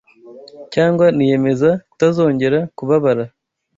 Cyangwa niyemeza kutazongera kubabara